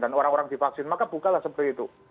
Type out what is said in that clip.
dan orang orang divaksin maka buka lah seperti itu